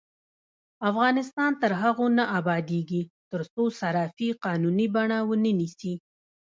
افغانستان تر هغو نه ابادیږي، ترڅو صرافي قانوني بڼه ونه نیسي.